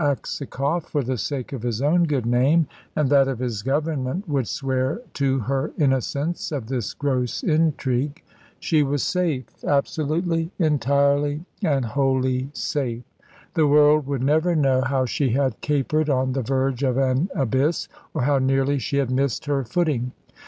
Aksakoff, for the sake of his own good name, and that of his Government, would swear to her innocence of this gross intrigue. She was safe absolutely, entirely, and wholly safe. The world would never know how she had capered on the verge of an abyss, or how nearly she had missed her footing.